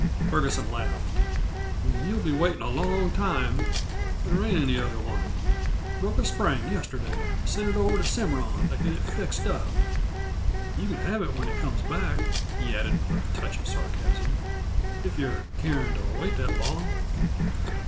Ferguson laughed. "Then you'll be waitin' a long time. There ain't any 'other one. Broke a spring yesterday an' sent it over to Cimarron to get it fixed up. You c'n have it when it comes back," he added with a touch of sarcasm, "if you're carin' to wait that long."